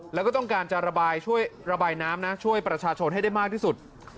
แล้วก็ต้องการจะระบายช่วยระบายน้ำนะช่วยประชาชนให้ได้มากที่สุด